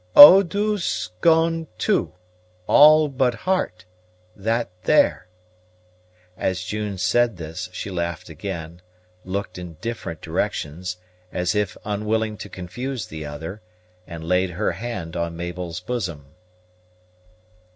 "Eau douce gone too, all but heart; that there." As June said this, she laughed again; looked in different directions, as if unwilling to confuse the other, and laid her hand on Mabel's bosom.